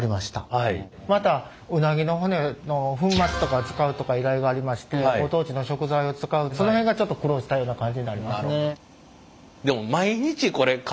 またうなぎの骨の粉末とかを使うとか依頼がありましてご当地の食材を使うその辺がちょっと苦労したような感じになりますね。